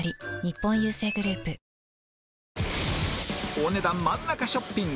お値段真ん中ショッピング